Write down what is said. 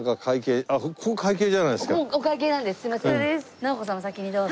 直子さんお先にどうぞ。